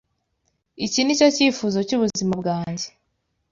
Iki nicyo cyifuzo cyubuzima bwanjye.